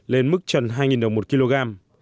lên mức trần hai đồng một kg